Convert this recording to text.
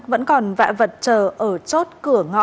vẫn còn vạ vật chờ ở chốt cửa ngõ